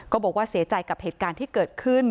บอกว่าเสียใจกับเหตุการณ์ที่เกิดขึ้น